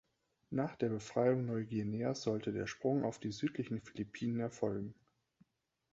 Nach der Befreiung Neuguineas sollte der Sprung auf die südlichen Philippinen erfolgen.